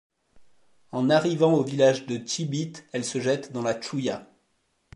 En arrivant au village de Tchibit, elle se jette dans la Tchouïa.